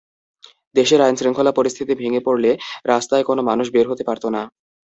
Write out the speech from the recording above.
দেশের আইনশৃঙ্খলা পরিস্থিতি ভেঙে পড়লে রাস্তায় কোনো মানুষ বের হতে পারত না।